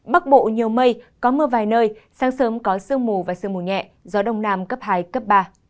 bắc bộ nhiều mây có mưa vài nơi sáng sớm có sương mù và sương mù nhẹ gió đông nam cấp hai cấp ba